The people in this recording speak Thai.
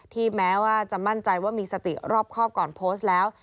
แม้ว่าจะมั่นใจว่ามีสติรอบข้อก่อนโพสต์แล้ว